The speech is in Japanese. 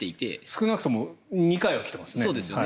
少なくとも２回は来ていますね。